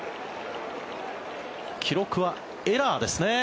記録はエラーですね。